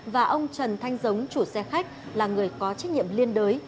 và ông trần thanh giống chủ xe khách là người có trách nhiệm liên đới